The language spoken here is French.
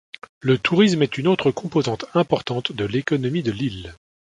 Le tourisme est une autre composante importante de l'économie de l'île.